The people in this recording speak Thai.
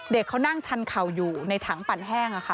เขานั่งชันเข่าอยู่ในถังปั่นแห้งค่ะ